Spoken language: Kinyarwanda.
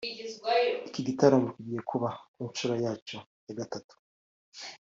Iki gitaramo kigiye kuba ku nshuro yacyo ya gatatu